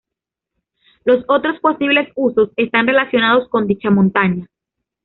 Los otros posibles usos están relacionados con dicha montaña.